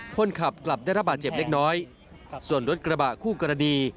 คนขับกลับได้ระบาดเจ็บเล็กน้อยส่วนรถกระบะคู่กรณี